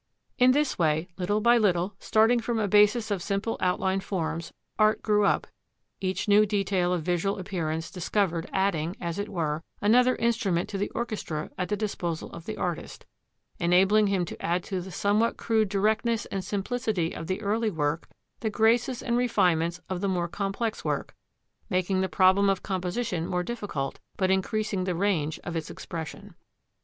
In this way, little by little, starting from a basis of simple outline forms, art grew up, each new detail of visual appearance discovered adding, as it were, another instrument to the orchestra at the disposal of the artist, enabling him to add to the somewhat crude directness and simplicity of the early work the graces and refinements of the more complex work, making the problem of composition more difficult but increasing the range of its expression.